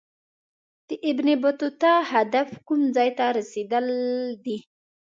د ابن بطوطه هدف کوم ځای ته رسېدل دي.